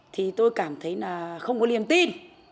thì tôi cảm thấy là không có liềm tin